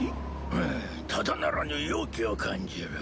うむただならぬ妖気を感じる。